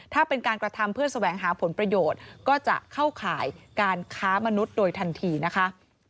ถ้าเป็นการกระทำเพื่อแสวงหาผลประโยชน์ก็จะเข้าข่ายการค้ามนุษย์โดยทันทีนะคะ